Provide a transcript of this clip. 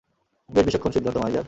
বেশ বিচক্ষণ, সিদ্ধান্ত, মাই জার!